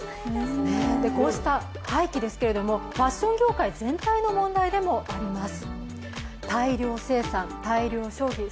こうした廃棄ですけれどもファッション業界全体の問題でもあります。